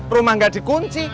rumah gak dikunci